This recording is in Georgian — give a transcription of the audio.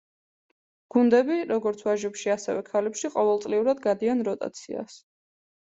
გუნდები, როგორც ვაჟებში, ასევე ქალებში ყოველწლიურად გადიან როტაციას.